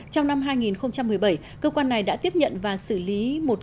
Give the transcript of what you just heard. trong năm hai nghìn một mươi bảy cơ quan này đã tiếp nhận và xử lý